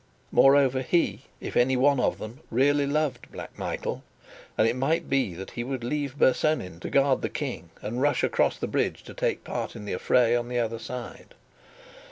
Moreover, he, if any one of them, really loved Black Michael, and it might be that he would leave Bersonin to guard the King, and rush across the bridge to take part in the affray on the other side.